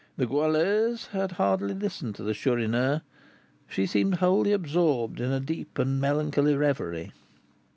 The Goualeuse had hardly listened to the Chourineur; she seemed wholly absorbed in a deep and melancholy reverie.